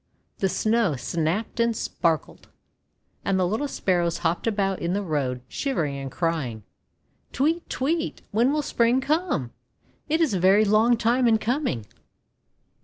The Snow snapped and sparkled. And the little Sparrows hopped about in the road, shivering and crying. "Tweet! Tweet! When will Spring come? It is a very long time in coming!'